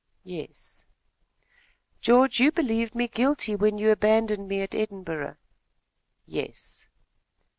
"Yes." "George, you believed me guilty when you abandoned me at Edinburgh?" "Yes."